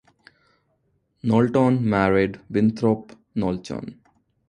Knowlton married Winthrop Knowlton.